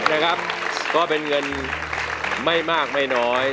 ๔๐๐๐๐บาทนะครับก็เป็นเงินไม่มากไม่น้อย